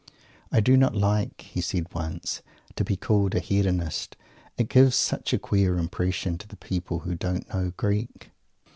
"I do not like," he said once, "to be called a Hedonist. It gives such a queer impression to people who don't know Greek."